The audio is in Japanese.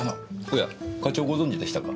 おや課長ご存じでしたか？